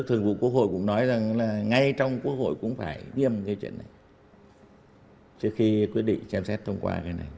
trước khi quyết định chăm sóc thông qua